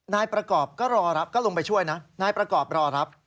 นายประกอบก็ลงไปช่วยนายประกอบรอรับ